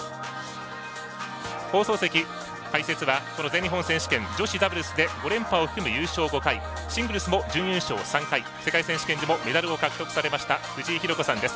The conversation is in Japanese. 放送席、解説はこの女子ダブルスで優勝５回シングルスも準優勝３回世界選手権でもメダルを獲得されました藤井寛子さんです。